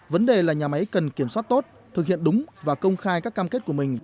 vấn đề là nhà máy cần kiểm soát tốt thực hiện đúng và công khai các cam kết của mình